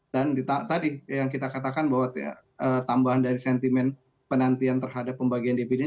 dan tadi yang kita katakan bahwa tambahan dari sentimen penantian terhadap pembagian dividen